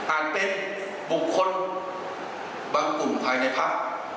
เป็นบุคคลบางกลุ่มภายในพัก